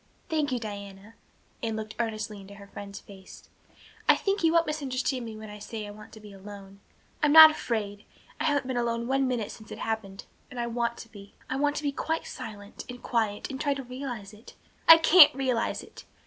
"Thank you, Diana." Anne looked earnestly into her friend's face. "I think you won't misunderstand me when I say I want to be alone. I'm not afraid. I haven't been alone one minute since it happened and I want to be. I want to be quite silent and quiet and try to realize it. I can't realize it.